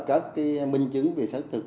các minh chứng về xét thực